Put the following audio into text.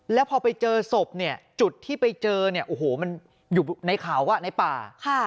แล้วพอไปเจอศพจุดที่ไปเจอมันอยู่ในเขาในป่า